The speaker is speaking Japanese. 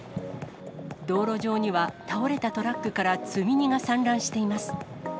道路上には倒れたトラックから積み荷が散乱しています。